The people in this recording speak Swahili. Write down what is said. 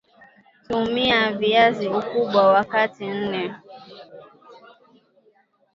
Tumia Viazi Ukubwa wa kati nne